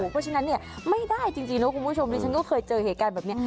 เพราะฉะนั้นเนี่ยไม่ได้จริงนะคุณผู้ชมดิฉันก็เคยเจอเหตุการณ์แบบนี้